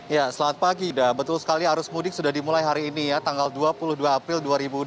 ya selamat pagi dah betul sekali arus mudik sudah dimulai hari ini ya tanggal dua puluh dua april dua ribu dua puluh